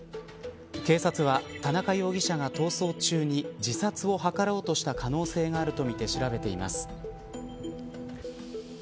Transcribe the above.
警察は田中容疑者が逃走中に自殺を図ろうとした可能性があるとみて調べています。